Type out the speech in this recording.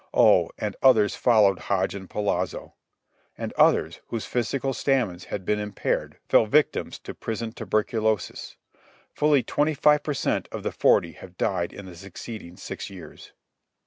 Oh, and others followed Hodge and Polazzo; and others, whose physical stamina had been impaired, fell victims to prison tuberculosis. Fully 25 per cent. of the forty have died in the succeeding six years.